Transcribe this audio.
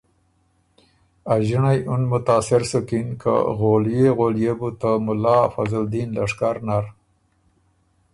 ا ݫِنړئ اُن متاثر سُکِن که غولئے غولئے بو ته مُلا فضل دین لشکر نر